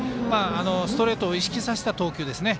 ストレートを意識させた投球ですね。